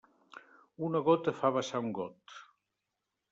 Una gota fa vessar un got.